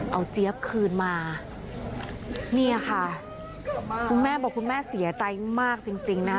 เอาเจี๊ยบคืนมาเนี่ยค่ะคุณแม่บอกคุณแม่เสียใจมากจริงจริงนะคะ